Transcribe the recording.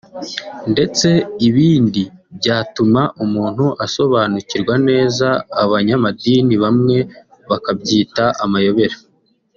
ndetse ibindi byatuma umuntu asobanukirwa neza abanyamadini bamwe bakabyita amayobera